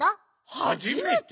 はじめて！？